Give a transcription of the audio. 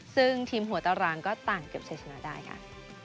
ซึ่งทีมหัวตารางก็ต่างเกี่ยวกับเศรษฐนาได้ค่ะ